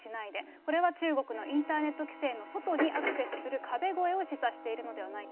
これは中国のインターネット規制の外にアクセスする壁越えを示唆しているのではないか。